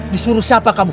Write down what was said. disuruh siapa kamu